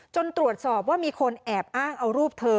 ตรวจสอบว่ามีคนแอบอ้างเอารูปเธอ